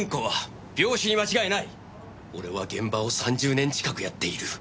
俺は現場を３０年近くやっている。